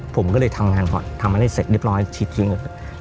ผมก็เลยทำงานก่อนทำอะไรเสร็จเรียบร้อย